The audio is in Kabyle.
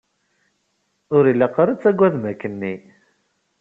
Ur ilaq ara ad tagadem akkenni.